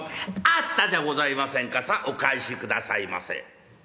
「あったじゃございませんかさあお返しくださいませ」。